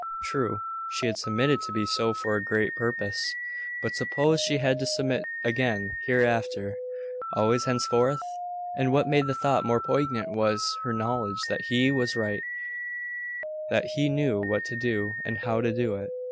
True, she had submitted to be so for a great purpose. But suppose she had to submit again hereafter always henceforth? And what made the thought more poignant was, her knowledge that he was right; that he knew what to do, and how to do it.